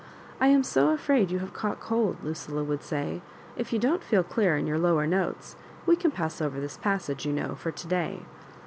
'*! am so afraid you have caught cold," Lucilla would say; "if you don't feel clear in your lower notes, we can pass over this passage, you know, for to day.